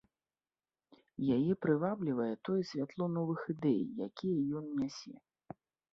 Яе прываблівае тое святло новых ідэй, якія ён нясе.